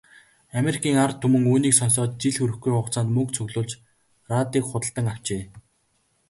Америкийн ард түмэн үүнийг сонсоод жил хүрэхгүй хугацаанд мөнгө цуглуулж, радийг худалдан авчээ.